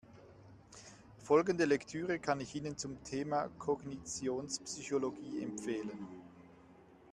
Folgende Lektüre kann ich Ihnen zum Thema Kognitionspsychologie empfehlen.